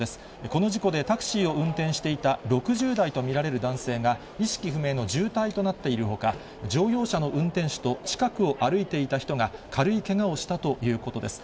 この事故で、タクシーを運転していた６０代と見られる男性が意識不明の重体となっているほか、乗用車の運転手と近くを歩いていた人が、軽いけがをしたということです。